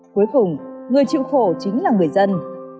cuối cùng người chịu khổ chính là người dân